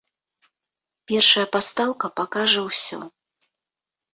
Першая пастаўка пакажа ўсё.